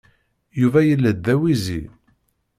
Yuba yella-d d awizi.